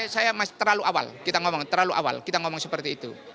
saya terlalu awal kita ngomong terlalu awal kita ngomong seperti itu